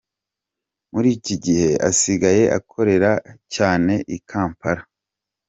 Muri iki gihe asigaye akorera cyane i Kampala.